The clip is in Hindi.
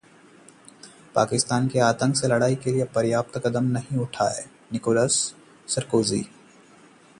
पाकिस्तान ने आतंक से लड़ाई के लिए पर्याप्त कदम नहीं उठाए: निकोलस सरकोजी